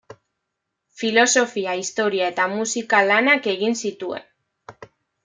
Filosofia, historia eta musika lanak egin zituen.